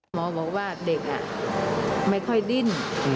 หมอบอกว่าเด็กไม่ค่อยดิ้น